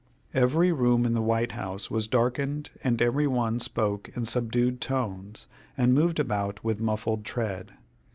Every room in the White House was darkened, and every one spoke in subdued tones, and moved about with muffled tread.